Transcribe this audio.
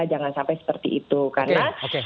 jangan sampai seperti itu karena